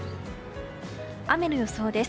雨の予想です。